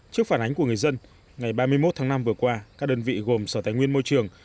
trước phản ánh của người dân ngày ba mươi một tháng năm vừa qua các đơn vị gồm sở tài nguyên môi trường